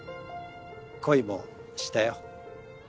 恋もしたよ。